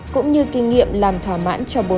cũng như kinh nghiệm làm thoả mãn cho bồ nuôi